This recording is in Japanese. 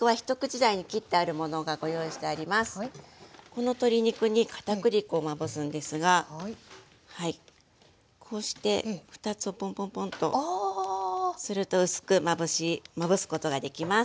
この鶏肉に片栗粉をまぶすんですがこうして２つをポンポンポンとすると薄くまぶすことができます。